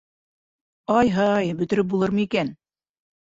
— Ай-һай, бөтөрөп булырмы икән?!